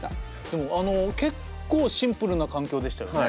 でもあの結構シンプルな環境でしたよね。